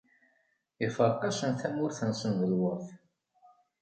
Iferq-asen tamurt-nsen d lweṛt.